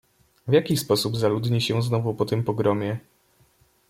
"W jaki sposób zaludni się znowu po tym pogromie?"